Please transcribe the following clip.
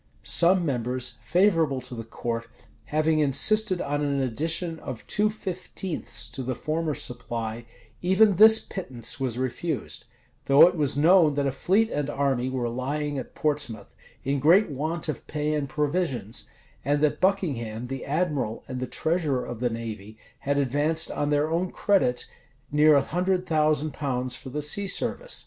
Some members, favorable to the court, having insisted on an addition of two fifteenths to the former supply, even this pittance was refused;[] though it was known that a fleet and army were lying at Portsmouth, in great want of pay and provisions; and that Buckingham, the admiral, and the treasurer of the navy, had advanced on their own credit near a hundred thousand pounds for the sea service.